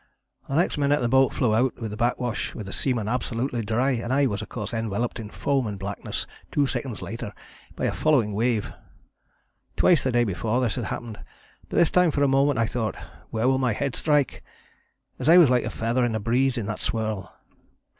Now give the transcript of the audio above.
The next minute the boat flew out on the back wash with the seaman absolutely dry, and I was of course enveloped in foam and blackness two seconds later by a following wave. Twice the day before this had happened, but this time for a moment I thought, 'Where will my head strike?' as I was like a feather in a breeze in that swirl.